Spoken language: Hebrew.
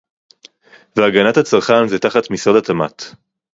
"והגנת הצרכן זה תחת משרד התמ"ת"